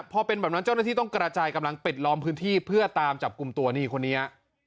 พอเป็นแบบนั้นเจ้าหน้าที่ต้องกระจายกำลังปิดล้อมพื้นที่เพื่อตามจับกลุ่มตัวนี่คนนี้